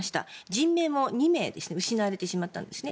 人命も２名失われてしまったんですね。